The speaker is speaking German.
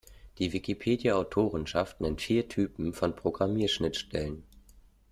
Die Wikipedia-Autorenschaft nennt vier Typen von Programmierschnittstellen.